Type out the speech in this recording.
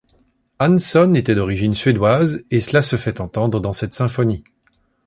Hanson était d'origine suédoise et cela se fait entendre dans cette symphonie.